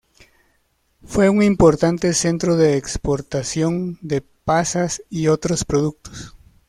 Fue un importante centro de exportación de pasas y otros productos.